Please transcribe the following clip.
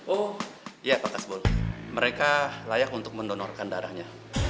oh iya pak kasbon mereka layak untuk mendonorkan darahnya